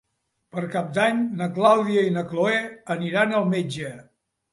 Per Cap d'Any na Clàudia i na Cloè aniran al metge.